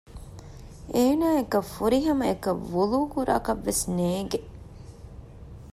އޭނާއަކަށް ފުރިހަމައަކަށް ވުޟޫ ކުރާކަށްވެސް ނޭގެ